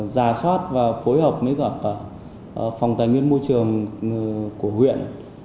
giả soát và phối hợp với cả phòng tài nguyên môi trường của huyện